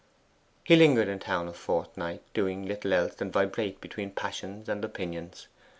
He lingered in town a fortnight, doing little else than vibrate between passion and opinions.